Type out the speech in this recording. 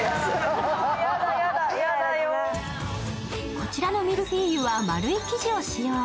こちらのミルフィーユは丸い生地を使用。